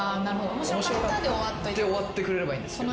「面白かった」で終わってくれればいいんですけど。